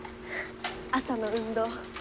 朝の運動。